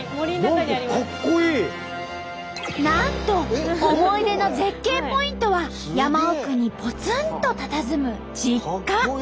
なんと思い出の絶景ポイントは山奥にぽつんとたたずむ実家！